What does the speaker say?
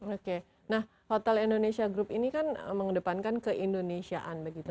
oke nah hotel indonesia group ini kan mengedepankan keindonesiaan begitu